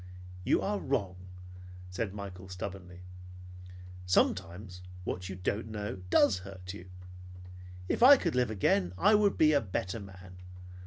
"You are wrong," said Michael stubbornly. "Sometimes what you don't know does hurt you. If I could live again, I would be a better man.